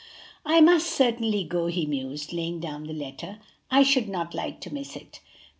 "I must certainly go," he mused, laying down the letter. "I should not like to miss it.